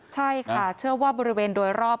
ใช่ค่ะเชื่อว่าบริเวณโดยรอบ